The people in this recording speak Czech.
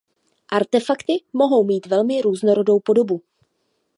Artefakty mohou mít velmi různorodou podobu.